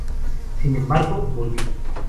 Sin embargo, volví.